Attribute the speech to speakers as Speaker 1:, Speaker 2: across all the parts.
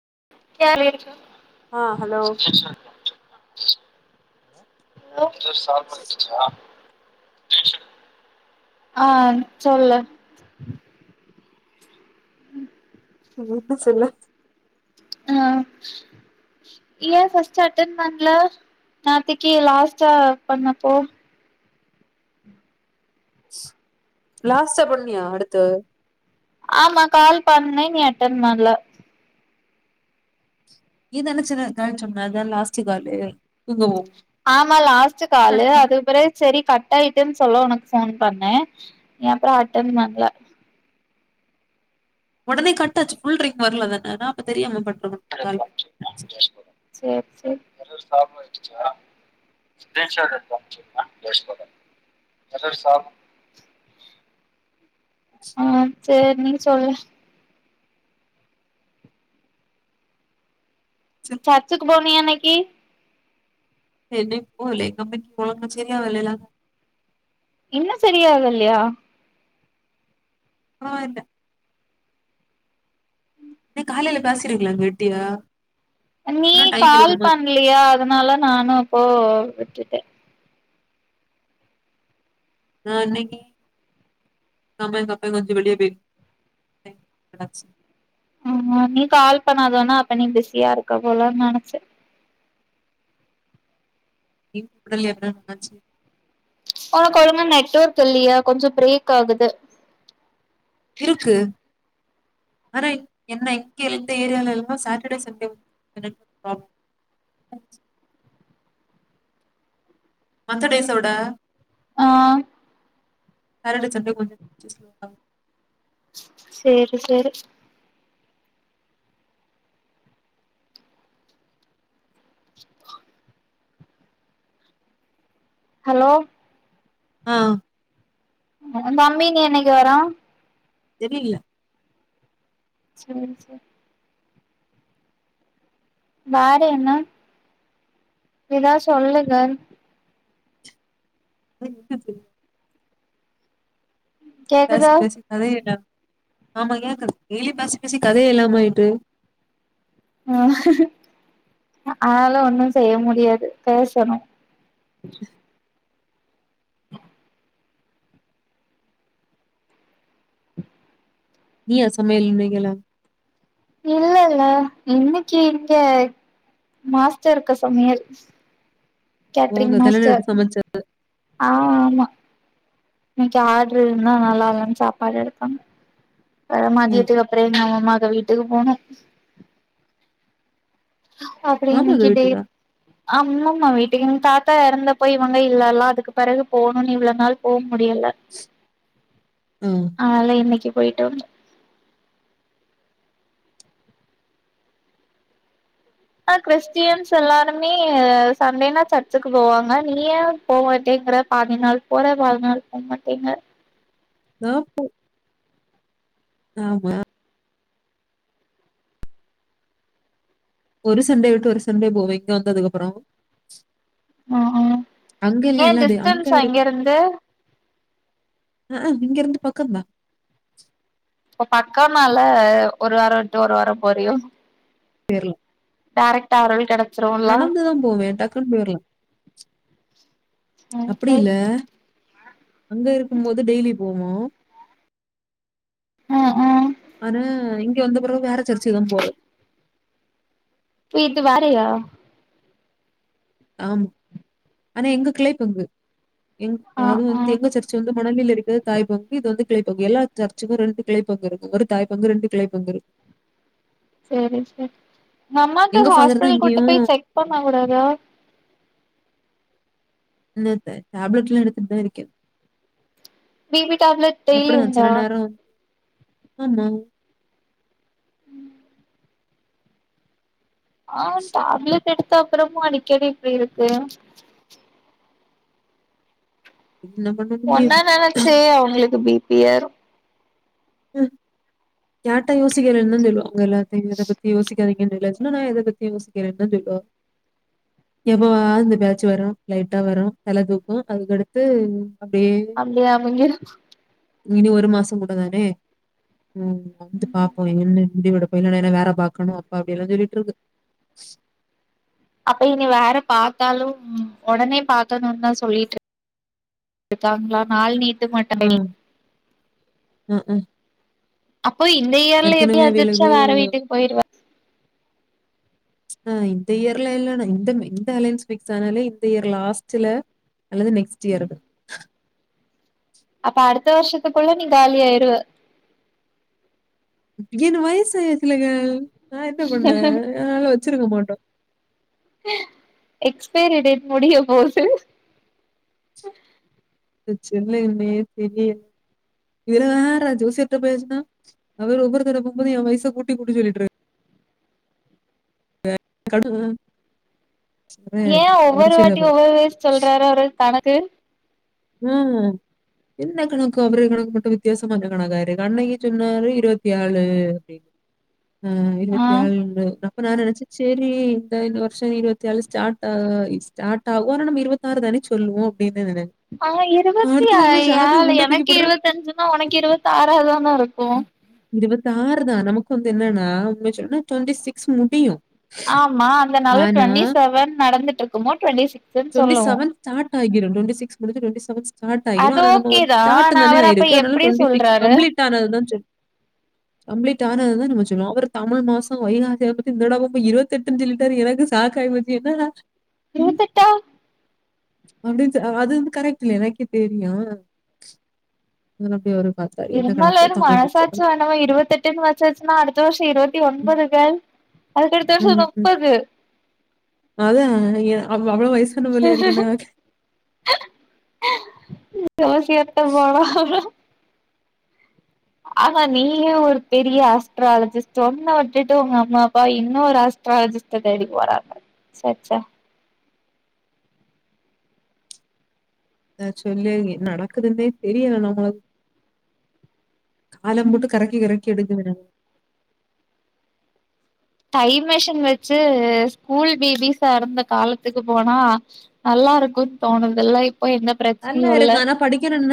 Speaker 1: [unintelligible]
Speaker 2: ஆ hello
Speaker 1: hello [unintelligible] sambar வச்சுட்டியா ஆ சொல்லு
Speaker 2: ம் சொல்லு
Speaker 1: அ ஏன் ஃபர்ஸ்டு அட்டன் பண்ல? நேத்திக்கு லாஸ்டா பண்ணப்போ
Speaker 2: லாஸ்டா பண்ணியா அடுத்து
Speaker 1: ஆமா கால் பண்ணே நீ அட்டன் பண்ல
Speaker 2: நீ தான சொன்ன சொன்ன அதா லாஸ்டு காலு [unintelligible]
Speaker 1: ஆமா லாஸ்டு காலு அதுபிறகு சரி கட்டாயி ச்சுனு சொல்ல உனக்கு போன் பண்ணே நீ அப்பறம் அட்டன் பண்ல
Speaker 2: ஒடனே கட்டாச்சு புல் ரிங் வரலதான நா அப்ப தெரியாம பன்
Speaker 1: செரி செரி ஸ்கிரீன் ஷாட் எடுத்து அனுப்சுருங்க ஆ சேரி நீ சொல்லு சர்ச்சுக்கு போனியா நைட் கி
Speaker 2: என்ன போல கம்பி போலங்கச்சரிய வலலா
Speaker 1: இன்னு சரியாகல்லையா
Speaker 2: ஆ ந்த காலையில பேசிருக்கலா கெட்டியா
Speaker 1: நீ
Speaker 2: ஆனா டைம்
Speaker 1: கால்
Speaker 2: இருக்குமா
Speaker 1: பண்லியா அதனால நானு அப்போ விட்டுட்ட
Speaker 2: நா இன்னைக்கு கம அப்ப கொஞ்ச வெளியே போய [unintelligible]
Speaker 1: ஆமா நீ கால் பண்ணாதோனா அப்ப நீ பிஸியா இருக்க போலானு நெனைச்ச
Speaker 2: நீ உடல் எவ நச்சு
Speaker 1: உனக்கொழங்கா நெட்ஒர்க் இல்லையா கொஞ்ச பிரேக் ஆகுது
Speaker 2: இருக்கு ஆனா என்ன இங்க எந்த ஏரியால இல்லாம சாட்டர்டே சண்டே என [unintelligible] மத்த டேஸோட
Speaker 1: ஆ
Speaker 2: சட்டர்டே சண்டே கொஞ்ச [inaudible]
Speaker 1: சேரி சேரி ஹலோ
Speaker 2: ஆ
Speaker 1: தம்பி இனி என்னைக்கு வரா
Speaker 2: தெரியல
Speaker 1: சரி சரி வேற என்ன ஏதாது சொல்லுங்க
Speaker 2: [unintelligible] பேச
Speaker 1: கேக்குதா
Speaker 2: பேச கத [unintelligible] ஆமா ஏ கத டெய்லி பேசி பேசி கதையே இல்லாமாயிட்டு
Speaker 1: ஆ அதலா ஒன்னு செய்ய முடியாது பேசணு
Speaker 2: நீயா சமையல் இன்னக்கில்லா
Speaker 1: இல்ல இல்ல இன்னைக்கு இங்க மாஸ்டர்ருக்க சமையல்
Speaker 2: ஓ
Speaker 1: கேட்டரிங்
Speaker 2: அங்க கல்யாணம்
Speaker 1: மாஸ்டர்
Speaker 2: விட்டு சமைச்ச
Speaker 1: ஆ ஆமா இன்னைக்கு ஆர்டரு இருந்தா நல்லா இல்லன்னு சாப்பாடு எடுப்பாங்க வர
Speaker 2: ம்.
Speaker 1: மாதியதுக்கு அப்புற என்னவுமா வீட்டுக்கு போனு அப்புற
Speaker 2: மாமாங்க
Speaker 1: இன்னைக்கு டேட்
Speaker 2: வீட்டுக்கா
Speaker 1: அம்மாம்மா வீட் என் தாத்தா இறந்தபோ இவங்க இல்லல்லா அதுக்கு பிறகு போகும்னு இவ்ள நாள் போ முடியல
Speaker 2: ம்.
Speaker 1: ஆல இன்னைக்கு போய்ட்டு வந்தோ ஆ கிறிஸ்டியன்ஸ் எல்லாருமே சண்டேனா சர்ச்சுக்கு போவாங்க நீயே போ மாட்டேங்கற பாதி நாள் போற பதினாள் போ மாட்டேங்கற
Speaker 2: நா போ ஆமா ஒரு சண்டே விட்டு ஒரு சண்டே போவே இங்க வந்ததுக்கப்புறோ
Speaker 1: ம் ம் ஏ டிஸ்டன்ஸா இங்கேருந்து
Speaker 2: அ அ இங்கருந்து பக்கந்தா
Speaker 1: இப்ப பக்க நால ஒரு வார விட்டு ஒரு வார போறியோ
Speaker 2: பேர்ல
Speaker 1: டேரக்டா அருள் கெடக்
Speaker 2: நடந்துதான் போவேன் டக்குன்னு போயிரெலா
Speaker 1: ம்
Speaker 2: அப்படி
Speaker 1: சரி
Speaker 2: இல்ல அங்க இருக்கும் போது டெய்லி போவோம்
Speaker 1: ம் ம்
Speaker 2: ஆனா இங் இங்க வந்தப்புறம் நேரா சர்ச்தான் போறே
Speaker 1: வீட்டு வாடகையா
Speaker 2: ஆம் ஆனா எங்க கிளைப் பங்கு எங்
Speaker 1: ஆ
Speaker 2: அது
Speaker 1: ஆ
Speaker 2: வந்து எங்க சர்ச்சு வந்து மணலியில இருக்கு தாய்பங்கு இது வந்து கிளைப்பங்கு எல்லா சர்ச்சுக்கு ரெண்டு கிளை பங்கு இருக்கு ஒரு தாய் பங்கு ரெண்டு கிளை பங்கு இருக்கு
Speaker 1: சேரி சேரி எங்க அம்மாக்கு
Speaker 2: ஃபாதர் தான்
Speaker 1: ஹாஸ்பிடல் கூட்டு
Speaker 2: இங்கேயும்
Speaker 1: போய் செக் பண்ண கூடாதா
Speaker 2: [unintelligible] டாப்லெட் எல்லா எடுத்துட்டுதா இருக்கே
Speaker 1: பிபி டேப்லட் டெயிலி
Speaker 2: சில
Speaker 1: உண்டா
Speaker 2: நேரம் ஆமா
Speaker 1: ஆ டேப்லெட் எடுத்த அப்பறமு அடிகடி இப்டி இருக்கு
Speaker 2: என்ன பண்ண
Speaker 1: ஒன்ன
Speaker 2: முடியும்?
Speaker 1: நெனச்சே அவங்களுக்கு பிபி ஏர்
Speaker 2: ம் கேட்டா யோசிக்கற்ன்தா சொல்வா உங்க எல்லாத்தயு இத பத்தி யோசிக் [unintelligible] நா எத பத்தி யோசிக்க வேனா சொல்லுவ எப்பா அந்த பேட்சு வரு லைட்டா வரு தல தூக்கு அதுக்கடுத்து அப்படியே
Speaker 1: அப்டியா அப்ப இங்கேதா
Speaker 2: இனி ஒரு மாச கூட தானே ம் வந்து பாப்போ என்ன முடி வெடு நா வேற பாக்கணு அப்பா அப்டி எல்லா சொல்லிட்ருக்கு
Speaker 1: அப்ப இனி வேற பாத்தாலு ஒடனே பாத்தணு தா சொல்லிட்டு இருக்காங்களா நாள் நீட்
Speaker 2: ம் ம் ம்
Speaker 1: ஓய் இந்த இயர்ல எப்டி அந்துருச்சு
Speaker 2: அவியலுக்கு
Speaker 1: வேற வீட்டுக் போயிருவா
Speaker 2: அ இந்த இயர்ல இல்லனா இந்த இந்த அலைன்ஸ் பிக்ஸ் ஆனாலே இந்த இயர் லாஸ்ட்டுல அல்லது நெக்ஸ்ட் இயர்கு
Speaker 1: அப்ப அடுத்த வர்ஷத்துக்குள்ள நீ காலி ஆயிருவ
Speaker 2: ஏனு வயசு ஆயிர்சுல்ல கேர்ள் நா என்ன பண்ண [inaudible] வச்சிருக்க மாட்டோ
Speaker 1: எக்ஸ்பைரி டேட் முடிய போது
Speaker 2: [unintelligible] தெரிய இதுல வேற ஜோசியத பேஸ்ன்னா அவர் ஒவ்வொருதட போபோது என் வயசா கூட்டி கூட்டி சொல்லிட்டு இருக்காரு கரட்டுதா
Speaker 1: ஏன் ஒவ்வொரு வாட்டியு ஒவ்வொரு வயசு சொல்றாருஅவரு தனக் க்கு
Speaker 2: ம் என்ன கணக்கு அவரு கணக்கு மட்டு வித்தியாசம்ந்த கணக்காரு அன்னைக்கி சொன்னாரு இருவத்தி ஏழு அப்படி அ இருவத்தி
Speaker 1: ஆஹ்
Speaker 2: ஆறு இருவத்தி ஏழு இப்ப நா நெனச்ச சேரி இந்த வருஷோ இருவத்தி ஏழு ஸ்டார்ட் ஸ்டார்ட் ஆகு ஆனா நம்ம இருவத்தி ஆறு தான சொல்லுவோ அப்படின்னு நெனைச்ச
Speaker 1: ஆஹ் இருவத்திஐ ஆஹ்
Speaker 2: தூக்கி
Speaker 1: எனக்கு
Speaker 2: போடுறேன்.
Speaker 1: இருவத்தஞ்சுன்னா உனக்கு இருவத்தாறாதான இருக்கு
Speaker 2: இருபத்தாறுதா நமக்கு வந்து என்னன்னா உண்மயசொல்னா டொண்டி சிக்ஸ் முடியு
Speaker 1: ஆமா அந்த நாளு
Speaker 2: ஆனா
Speaker 1: டுவெண்ட்டி செவன் நடந்துட்டு இருக்குமோ டுவெண்ட்டி சிக்ஸ்ன்னு
Speaker 2: டொண்டி
Speaker 1: சொல்லுவோ
Speaker 2: செவன் ஸ்டாட் ஆகிறு டொவெண்டி சிக்ஸ் முடுஞ்சு டொண்டி செவன் ஸ்டாட் ஆகிறு
Speaker 1: அது
Speaker 2: ஆனா நம் வந்து
Speaker 1: ஓகேதா
Speaker 2: ஸ்டாட்
Speaker 1: ஆனா
Speaker 2: தானே
Speaker 1: அவரு அப்ப
Speaker 2: ஆயிருக்கு அதனால
Speaker 1: எப்டி
Speaker 2: டொண்டி சிக்ஸ்
Speaker 1: சொல்றாரு
Speaker 2: கம்ப்ளீட் ஆனதுதா சொல் கம்ப்ளீட் ஆனதுதா நம்ம சொல்லுவோ அவர் தம்ழ் மாசசோ வைகாசிய பத்தி இந்தடவ போய் இருவத்தெட்டுனு சொல்டாரு எனக்கு சாக்காய்போச்சு என்னாடா
Speaker 1: இருவத்தெட்டா
Speaker 2: அப்டின்னு அ அது வந்து கரெக்ட் இல்ல எனக்கே தெரியு [unintelligible] ஆத்தாடி எந்த கணக்கோ தமிழ் மாசத்துல
Speaker 1: நம்ம இருவத்தெட்டுனு வச்சாச்சுன்னா அடுத்த வருஷோ இருவத்தி
Speaker 2: ம்,
Speaker 1: ஒன்பதுங்க அ [unintelligible] முப்பது
Speaker 2: அதா ஏ அவ் அவ்ளவ் வயசு ஒண்ணு இல்லயே ஏரிக்கின்னா
Speaker 1: தோசயாருந்தா வா வா ஆனா நீயு ஒரு பெரிய ஆஸ்ட்ராலிஜிஸ்டோன்னு நா விட்டுட்டோ உங்க அம்மா அப்பா என்ன ஒரு ஆஸ்ட்ராலிஜிஸ்ட தேடி போறாங்க சேச்சே
Speaker 2: தே சொல்லு என் நடக்குதுனே தெரில நம்மளுக்
Speaker 1: ம்
Speaker 2: காலபுட்டு கரைக்கி கரக் கெடுதுவிட
Speaker 1: டைம்மிஷின் வச்சு ஸ்கூல் பிபிஸார் அந்த காலத்துக்கு போனா நல்லா இருக்குன்னு தோணுது இப்ப என்ன பிரச்சனயு இல்ல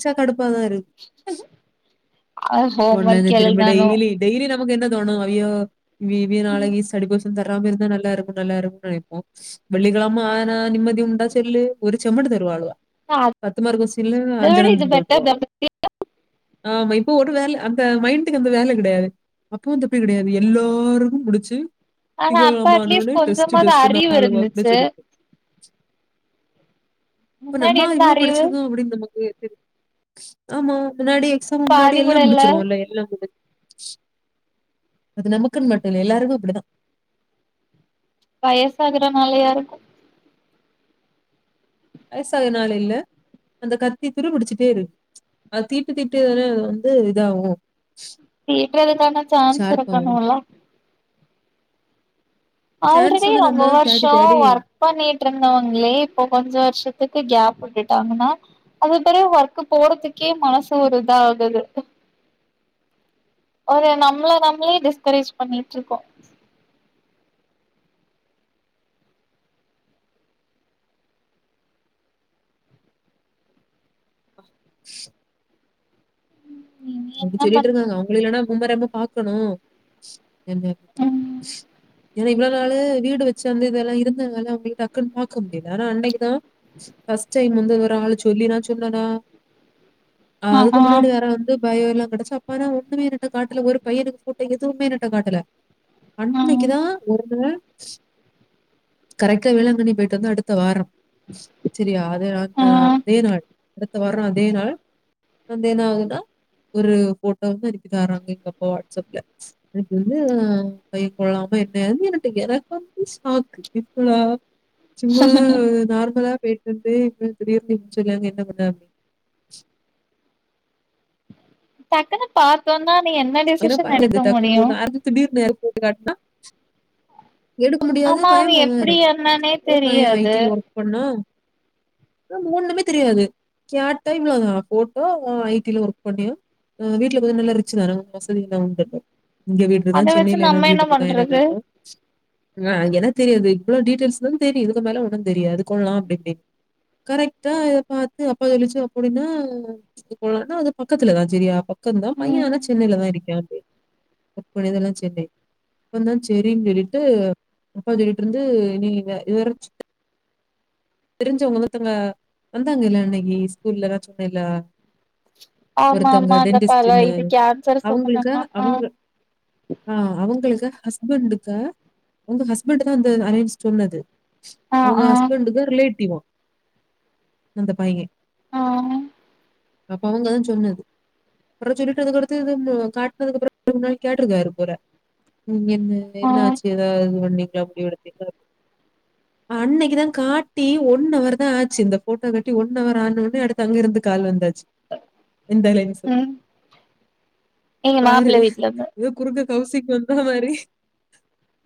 Speaker 2: ச்சா கடுப் ப்பதா இருக்
Speaker 1: ஹோம்
Speaker 2: ஒண்லந்து
Speaker 1: ஒர்க்
Speaker 2: திரும்பி
Speaker 1: எழுதணு
Speaker 2: டெய்லி டெய்லி ரப் நமக் என்ன தோனு அய்யோ வீ வி நாளைக்கு சடி போச் த்தராம இருந்தா நல்லா இருக்கு நல்லா இருக்கும இப்போ வெள்ளிக்கிழம ஆனா நிம்மதி உண்டா சொல்லு ஒரு செம்மட்டு தருவாலுவ
Speaker 1: அத
Speaker 2: பத்து மார்க்குசில்லு
Speaker 1: விட
Speaker 2: அஞ்சனந்
Speaker 1: இது பெட்டர் தா
Speaker 2: [unintelligible] ஆம்ம இப்போ ஒரு வேல அந்த மைண்டுக்கு அந்த வேல கிடையாது அப்ப வந்த பீர்டு எல்லோருக்கு முடிச்சு
Speaker 1: ஆனா அப்ப அட்லீஸ்ட் கொஞ்சமாது
Speaker 2: டெஸ்ட்ன்னு
Speaker 1: அறிவு
Speaker 2: வாக்குல
Speaker 1: இருந்துச்சு
Speaker 2: சொல்லிட்டு. இப்ப
Speaker 1: முன்னாடி
Speaker 2: நம்மளா
Speaker 1: இருந்த
Speaker 2: இவ்ளோ
Speaker 1: அறிவு
Speaker 2: படுச்சுருக்கோ அப்டின்னு நமக்கு தெ தெர் ஆமா முன்னாடி எக்ஸாம் முன்னாடி
Speaker 1: பாதி
Speaker 2: எல்லா
Speaker 1: கூட இல்ல
Speaker 2: முடிச்சிருவோல்ல எல்லா முடுச் அது நமக்குன்னு மட்டு இல்ல எல்லாருக்கு அப்டிதா
Speaker 1: வயசு ஆகுறனாலயாருக்கு
Speaker 2: வயசாகுறனால இல்ல அந்த கத்தி துருபுடுச்சுட்டே இருக் அத் தீட்டு தீட்டு உ வந்து இதாகு
Speaker 1: தீட்டறதுக்கான சான்ஸ்
Speaker 2: ஆகும்.
Speaker 1: இருக்கணுல
Speaker 2: சான்ஸ்
Speaker 1: ஆல்ரெடி
Speaker 2: வந்து
Speaker 1: ரொம்ப
Speaker 2: நம்ம தான் தேடி
Speaker 1: வருஷோ
Speaker 2: தேடி
Speaker 1: ஒர்க் பண்ணிட்டு இருந்தவங்களே இப்போ கொஞ்ச வருஷத் ஃகேப் விட்டுட்டாங்கன்னா அது பிறகு ஒர்க்கு போறதுக்கே மனசு ஒரு இதா ஆகுது ஒரு நம்மள நம்மளே டிஸ்கரேஜ் பண்ணிட்டுருக்கோ
Speaker 2: ஆ
Speaker 1: இனி
Speaker 2: அப்டி
Speaker 1: என்ன பண்
Speaker 2: சொல்லிட்ருக்காங்க அவுங்க இல்லன்னா உம்ம ரெம்ப பாக்கணு என்ன தெ
Speaker 1: ம்
Speaker 2: என்னா இவ்ளவு னால வீடு வச்சாந்து இதெல்லா இருந்ததுனால அவுங்கள டக்குன்னு பாக்க முடியல ஆனா அன்னைக்குதா ஃப்ஸ்ட் டைம் வந்து ஒரு ஆளு சொல்லினா சொன்னானா அ
Speaker 1: ஆ
Speaker 2: அதுக்கு
Speaker 1: ஆ
Speaker 2: முன்னாடி வேற வந்து அய்யய்யோ எல்லா கெடைச்சா அப்பறா ஓண்ணமே என்ட்ட காட்டுல ஒரு பையனுக்கு போட்ட எதுவுமே எனட்ட காட்டல
Speaker 1: ம்
Speaker 2: அன்னைக்கித்தா ஒருத்தங்க கரெக்டா வேளாங்கண்ணி போயிட்டு வந்த அடுத்த வாரம் செரியா அதே அந்த
Speaker 1: ஆ
Speaker 2: அதே நாள் அடுத்த வாரோ அதே நாள் வந்தேனா ஆகுதா ஒரு போட்டோ வந்து அன்னிக்கி தாறாங்க எங்க அப்பா வாட்ஸ்அப்ல அதுக்கு வந்து அ பைய கொள்ளாம என்ன எனட்டு எனக்கு வந்து சாக்கு இவ்வள சும்மா நார்மலா பெயிட் [unintelligible] சொல்லாங்க என்ன பண்ணா
Speaker 1: டக்குன்ன பாத்தோன்னா நீ என்ன
Speaker 2: என்னாப்பா
Speaker 1: டிசிஷன்
Speaker 2: என்னது
Speaker 1: எடுக்க
Speaker 2: டக்கு
Speaker 1: முடியு
Speaker 2: போட்ட அடுத்து திடீர்னு எடுத்து போட்டு காட்னா [inaudible] எடுக்க முடியாது
Speaker 1: ஆமா அவ
Speaker 2: பயமா தா
Speaker 1: எப்டி
Speaker 2: இருக்கும்
Speaker 1: என்னன்னே
Speaker 2: ஓம் பய
Speaker 1: தெரியாது
Speaker 2: ஐடில ஒர்க் பண்ணா ஒன்னுமே தெரியாது கேட்டா இவ்ளோ தா போட்டோ ஐடில ஒர்க் பண்ணியா அ வீட்ல பாத்தா நல்லா ரிச்சு தானா வசதி எல்லா உண்டு இங்க வீட்லதா
Speaker 1: அத வச்சு
Speaker 2: சென்னையில
Speaker 1: நம்ம
Speaker 2: எல்லாமே
Speaker 1: என்ன
Speaker 2: வீட்டு
Speaker 1: பண்றது
Speaker 2: தயாரானாங்கோ ஆ எனக் தெரியாது இவ்ளோ டீட்டெயல்ஸ் தா தெரியு இதுக்கு மேல ஒண்ணுந் தெரியாது கொள்ளலா அப்டி இப்டின் கரெக்டா இத பாத்து அப்பா சொல்லிச்சு அப்புடின்னா கொள்ளலன்னா அது பக்கத்துல தா செரியா பக்கந்தா பைய
Speaker 1: ம்
Speaker 2: அதாச்சு சென்னையிலதா இருக்கியா அப்டின் இப்புடி தானா சென்னை அப்பறந்தா செரின்னு சொல்லிட்டு அப்பா சொல்லிட்டு இருந்து நீ யா இதுவர தெரிஞ்சவங்கோ ஒருத்தங்க வந்தாங்கல்ல அன்னைக்கி ஸ்கூல்லலா சொன்னேல்ல
Speaker 1: ஆமா
Speaker 2: ஒருத்தங்க
Speaker 1: ஆமா அந்த பல
Speaker 2: டென்டிஸ்ன்னு
Speaker 1: இது கேன்சர்
Speaker 2: அவங்களுக்கா
Speaker 1: சம்பந்தமா ஆ
Speaker 2: அவங்க ஆ அவங்களுக்கா ஹஸ் ஹஸ்பண்டுக்க ஒங்க ஹஸ்பண்ட் தா அந்த அலைன்ஸ் சொன்னது
Speaker 1: ஆ
Speaker 2: அவங்க
Speaker 1: ஆ
Speaker 2: ஹஸ்பெண்ட்டுதா டிடக்டிவா அந்த பைய
Speaker 1: ஆ
Speaker 2: அப்ப அவங்கதா சொன்னது அப்புற சொல்லிட்டு அதுக்கடுத்து காட்டனதுக்கு அப்புற முன்னடி கேட்டிருக்காரு போல ம் என்ன
Speaker 1: ஆ
Speaker 2: என்ன ஆச்சு ஏதாவது பண்ணீங்கலா அப்டி விட அன்னைக்குதா காட் காட்டி ஒன் அவர் தா ஆச்சு இந்த போட்டோ காட்டி ஒன் அவர் ஆனொன்னே அடுத்து அங்க இருந்து கால் வந்தாச்சு இந்தலன்ஸ்சு
Speaker 1: ம் எங்க
Speaker 2: பாரு
Speaker 1: மாப்பிள்ள வீட்ல இருந்து
Speaker 2: ஏதோ குறுக்க கௌசிக் வந்தா மாரி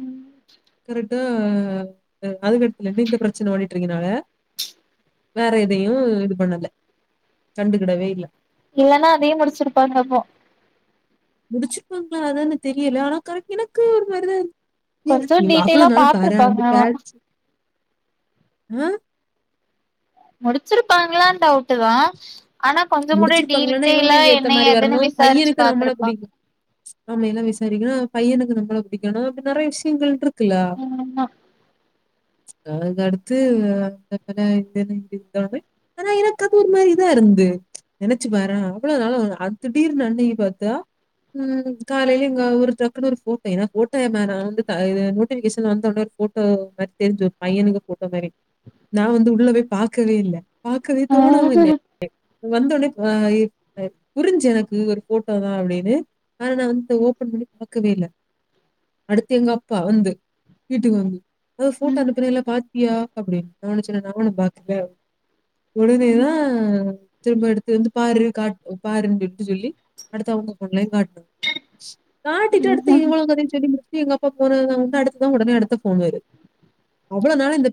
Speaker 1: ம்
Speaker 2: க்குரு அ [unintelligible] சின்ன ஒலி க்கினால வேற எதையு இது பண்ணல கண்டுக்கிடவே இல்ல
Speaker 1: இல்லன்னா அதயே முடிச்சிருப்பா இப்போ
Speaker 2: முடிச்சிருப்பாங்களா அதான தெரியல ஆனா க எனக்கு ஒரு மாரிதா இரு
Speaker 1: கொஞ்ச டீட்டெய்லா பாத்துருப்பாங்க ஆனா
Speaker 2: அ
Speaker 1: முடிச்சிருப்பாங்களான் டவுட்டுதா ஆனா கொஞ்ச கூட
Speaker 2: முடிச்சிருப்பாங்களான்னா,
Speaker 1: டீடெய்லா
Speaker 2: இவங்களுக்கு ஏத்த
Speaker 1: என்ன
Speaker 2: மாரி
Speaker 1: ஏதுன்னு
Speaker 2: வரணும்.
Speaker 1: விசாரிச்சு பாத்துருப்பாங்க
Speaker 2: அமையல விசாரிக்கனு பையனுக்கு நம்மள பிடிக்கணு அப்ப நெறைய விஷயங்கள் இருக்கு க்குலா
Speaker 1: ஆமா
Speaker 2: அது அடுத்து [unintelligible] ஆனா எனக்கு அது ஒரு மாதிரி இதாருந்து நெனைச்சு பாறேன் அவ்ளோ நாளா இல்ல திடீர்னு அன்னைக்கு பாத்தா ம் காலையில இங்க ஒரு டக்குன்ன ஒரு போட்டோ என்னக்கு போட்டு நான் வந்து நோட்டிபிகேஷன்ல வந்த உடனே ஒரு போட்டோ மாரி தெரிஞ்சு பையனுங்க போட்டோ மாரி நா வந்து உள்ள போய் பாக்கவே இல்ல பாக்கவே
Speaker 1: ஆ
Speaker 2: தோணாமல்லே வந்தவொனே ஆ எ புரிஞ்சு எனக்கு ஒரு போட்டோதா அப்படின்னு ஆனா நா வந்து ஓபன் பண்ணி பாக்கவே இல்ல அடுத்து எங்க அப்பா வந்து வீட்டுக்கு வந்து அதாவது போட்டோ
Speaker 1: ம்
Speaker 2: அனுப்பினல்ல பாத்தியா அப்டின்னு நா ஒடனே சொன்ன நாலா பாக் குடுதிதா திரும்ப எடுத்து வந்து பாரு காட் பாருன்னு சொல்லிட்டு சொல்லி அடுத்த அவங்க போன்லயு காட்டு காட்டிட்டு அடுத்து
Speaker 1: ம்
Speaker 2: இவ்ளோ கதையு சொல்லி முடிஞ் எங்க அப்பா போன வந்து அடுத்துதா உடனே அடுத்த போன் வரு அவ்ளோ நாளா இந்த பெ